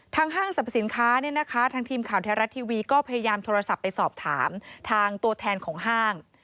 ห้างสรรพสินค้าเนี่ยนะคะทางทีมข่าวไทยรัฐทีวีก็พยายามโทรศัพท์ไปสอบถามทางตัวแทนของห้าง